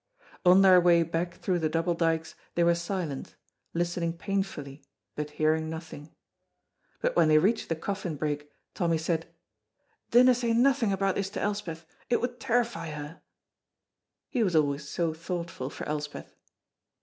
On their way back through the Double Dykes they were silent, listening painfully but hearing nothing. But when they reached the Coffin Brig Tommy said, "Dinna say nothing about this to Elspeth, it would terrify her;" he was always so thoughtful for Elspeth.